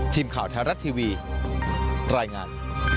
ทีมข่าวไทยรัฐทีวีรายงาน